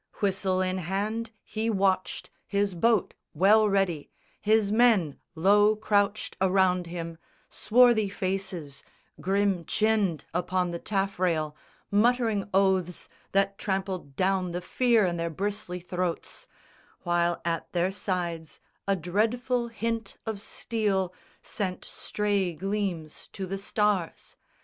Whistle in hand he watched, his boat well ready, His men low crouched around him, swarthy faces Grim chinned upon the taffrail, muttering oaths That trampled down the fear i' their bristly throats, While at their sides a dreadful hint of steel Sent stray gleams to the stars.